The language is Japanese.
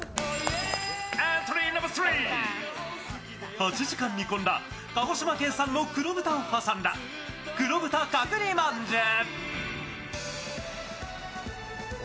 ８時間煮込んだ鹿児島県産の黒豚を挟んだ黒豚角煮まんじゅう。